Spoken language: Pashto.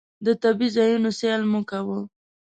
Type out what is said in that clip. د طبعي ځایونو سیل مو کاوه.